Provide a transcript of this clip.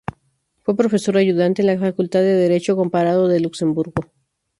Fue profesor ayudante en la Facultad de Derecho Comparado de Luxemburgo.